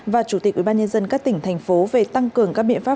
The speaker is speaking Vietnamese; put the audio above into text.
và chủ tịch ubnd các tỉnh thành phố về tăng cường các biện pháp